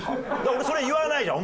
俺それ言わないじゃん